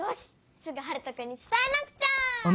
すぐハルトくんにつたえなくちゃ。